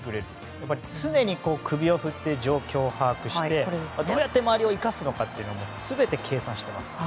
やっぱり、常に首を振って状況を把握してどうやって周りを生かすのかも全て計算してます。